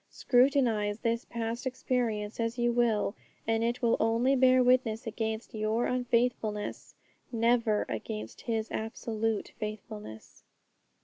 Scrutinize this past experience as you will, and it will only bear witness against your unfaithfulness, never against His absolute faithfulness.